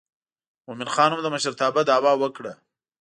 مومن خان هم د مشرتابه دعوه وکړه.